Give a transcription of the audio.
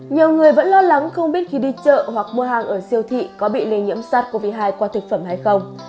nhiều người vẫn lo lắng không biết khi đi chợ hoặc mua hàng ở siêu thị có bị lây nhiễm sars cov hai qua thực phẩm hay không